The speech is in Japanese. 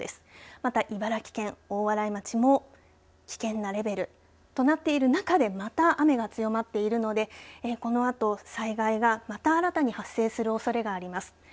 また茨城県大洗町も危険なレベルとなっている中でまた雨が強まっているのでこのあと災害が、また新たに発生するおそれがあります。